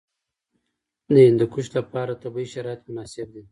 د هندوکش لپاره طبیعي شرایط مناسب دي.